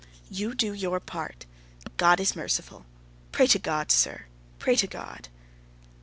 "You do your part. God is merciful; pray to God, sir, pray to God."